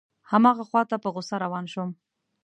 هماغه خواته په غوسه روان شوم.